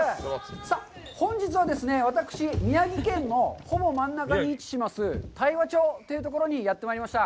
さあ、本日はですね、私、宮城県のほぼ真ん中に位置します、大和町というところにやってまいりました。